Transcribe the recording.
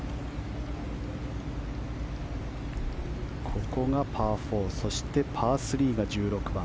ここがパー４そして、パー３が１６番。